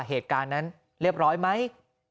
เหตุการณ์นั้นเรียบร้อยไหม